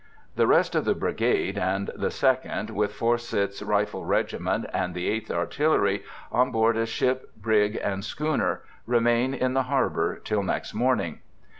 The rest of the brigade, and the Second, with Foresith's Rifle Regiment and the Eighth Artillery —on board a ship, brig, and schooner — remain in the harbour till next morning.